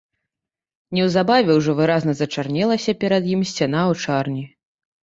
Неўзабаве ўжо выразна зачарнелася перад ім сцяна аўчарні.